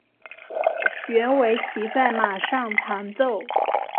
原为骑在马上弹奏。